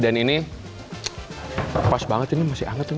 dan ini pas banget ini masih hangat ini